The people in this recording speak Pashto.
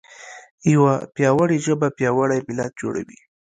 یوه پیاوړې ژبه پیاوړی ملت جوړوي.